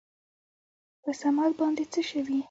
په صمد باندې څه شوي ؟